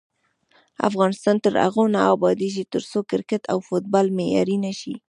افغانستان تر هغو نه ابادیږي، ترڅو کرکټ او فوټبال معیاري نشي.